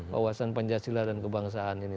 wawasan pancasila dan kebangsaan ini